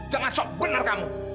jangan sok benar kamu